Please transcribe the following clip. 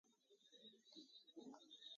Ghay i erɓels di atimeŋ ghay i simaŋ.